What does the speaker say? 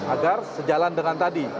agar sejalan dengan tadi